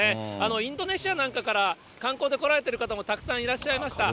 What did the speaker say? インドネシアなんかから、観光で来られてる方もたくさんいらっしゃいました。